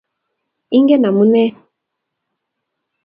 Ingen amune?